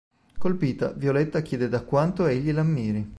Colpita, Violetta chiede da quanto egli l'ammiri.